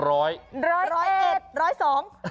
ร้อยเอ็ดร้อยสอง